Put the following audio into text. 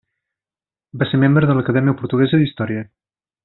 Va ser membre de l'Acadèmia Portuguesa d'Història.